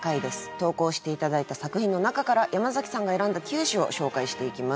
投稿して頂いた作品の中から山崎さんが選んだ９首を紹介していきます。